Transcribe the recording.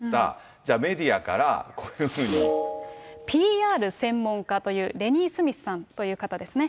じゃあメディアから、こういうふＰＲ専門家という、レニー・スミスさんという方ですね。